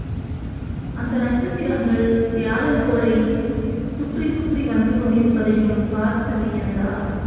அந்த நட்சத்திரங்கள், வியாழன் கோளைச் சற்றிச் சுற்றி வந்து கொண்டிருப்பதையும் பார்த்து வியந்தார்.